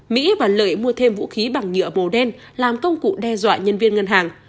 mỹ và lợi mua thêm vũ khí bằng nhựa màu đen làm công cụ đe dọa nhân viên ngân hàng